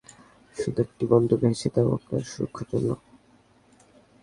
শুধু একটি বন্দুক রেখেছি, তাও আপনার সুরক্ষার জন্য!